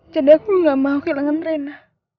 jadi aku gak mau kehilangan rena